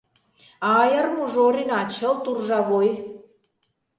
А аярмужо Орина — чылт уржа вой.